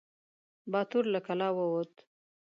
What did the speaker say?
باتور له کلا ووت.